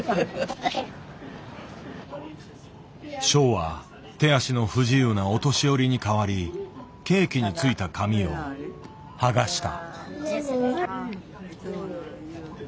ショウは手足の不自由なお年寄りに代わりケーキについた紙をはがした。